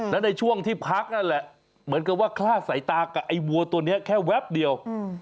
และในช่วงที่พักนั่นแหละเหมือนกับว่าคลาดสายตากับไอ้วัวตัวนี้แค่แวบเดียว